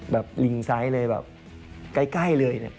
แบบลิงซ้ายเลยแบบใกล้เลย